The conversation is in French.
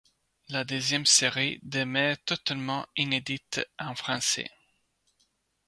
La deuxième série demeure totalement inédite en français.